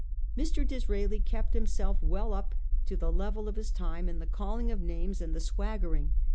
Mr. Disraeli kept himself well up to the level of his time in the calling of names and the swaggering.